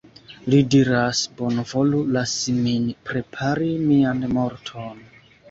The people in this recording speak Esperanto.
Li diras, "Bonvolu lasi min prepari mian morton.